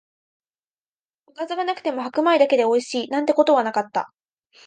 おかずがなくても白米だけでおいしい、なんてことはなかった